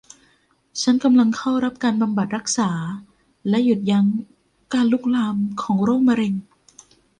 ฉันกำลังเข้ารับการบำบัดรักษาและหยุดยั้งการลุกลามของโรคมะเร็ง